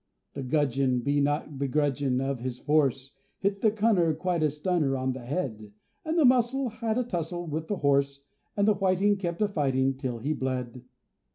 The Gudgeon, not begrudgeon of his force, Hit the Cunner quite a stunner on the head; And the Mussel had a tussle with the Horse, And the Whiting kept a fighting till he bled.